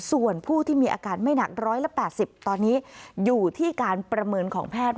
ส่วนผู้ที่มีอาการไม่หนัก๑๘๐ตอนนี้อยู่ที่การประเมินของแพทย์